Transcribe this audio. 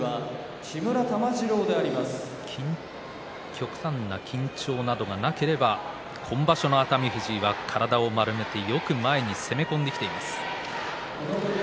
極端な緊張などがなければ今場所の熱海富士は、体を丸めてよく前に攻め込んできています。